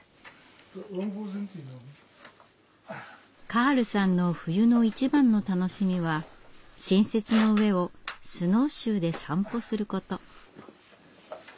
カールさんの冬の一番の楽しみは新雪の上をスノーシューで散歩すること。